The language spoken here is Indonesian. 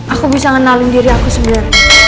aku bisa ngenalin diri aku sendiri